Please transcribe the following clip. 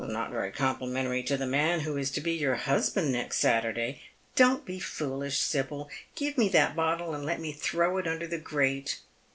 " Not very complimentary to the man who is to be J'our hus ()and next Saturday. Don't be foolish, Sibyl. Give me that bottle, and let me throw it under the grate."